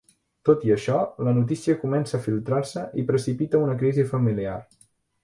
Tot i això, la notícia comença a filtrar-se i precipita una crisi familiar.